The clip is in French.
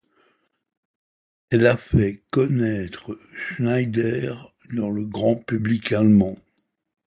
Elle a fait connaitre Schneider dans le grand public allemand.